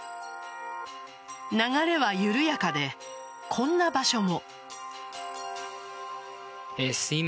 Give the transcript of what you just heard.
流れは緩やかで、こんな場所も。